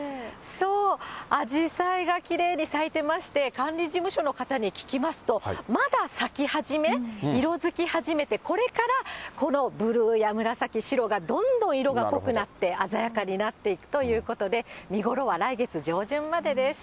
そう、アジサイがきれいに咲いてまして、管理事務所の方に聞きますと、まだ咲き始め、色づき始めて、これからこのブルーや紫、白がどんどん色が濃くなって、鮮やかになっていくということで、見頃は来月上旬までです。